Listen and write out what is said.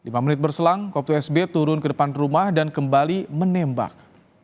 lima menit berselang koptu sb turun ke depan rumah dan kembali menembak